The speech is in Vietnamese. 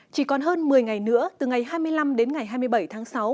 chỉ còn hơn một mươi ngày nữa từ ngày hai mươi năm đến ngày hai mươi bảy tháng sáu